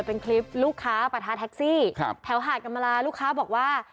เป็นคลิปลูกค้าปะทะแท็กซี่ครับแถวหาดกรรมลาลูกค้าบอกว่า